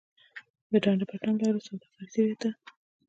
د ډنډ پټان لاره سوداګریزه ده